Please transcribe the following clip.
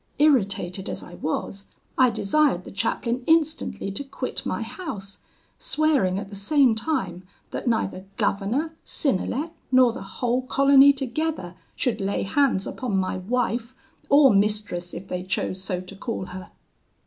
Irritated as I was, I desired the chaplain instantly to quit my house, swearing at the same time that neither governor, Synnelet, nor the whole colony together, should lay hands upon my wife, or mistress, if they chose so to call her.